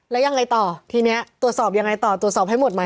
แล้วยังไงต่อทีนี้ตรวจสอบยังไงต่อตรวจสอบให้หมดไหม